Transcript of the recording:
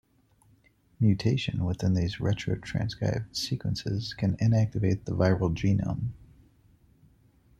Mutation within these retro-transcribed sequences can inactivate the viral genome.